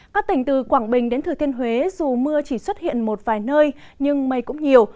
các tỉnh từ quảng bình đến thừa thiên huế dù mưa chỉ xuất hiện một vài nơi nhưng mây cũng nhiều